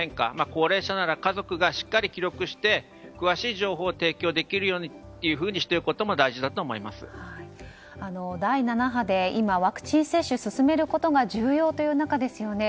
高齢者なら家族がしっかり記録して詳しい情報を提供できるようにしておくことも第７波で今ワクチン接種を進めることが重要という中ですよね。